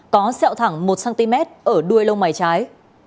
có xeo thẳng một cm ở đuôi lông mày trái